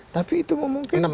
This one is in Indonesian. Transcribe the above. tapi itu memungkinkan